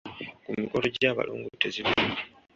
Ku mikolo gy’abalongo tezivuga.